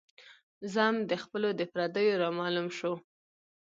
ذم د خپلو د پرديو را معلوم شو